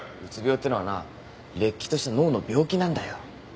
うつ病ってのはなれっきとした脳の病気なんだよ。